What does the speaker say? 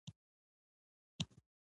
متل دی: چې اوسې په خوی به د هغو شې.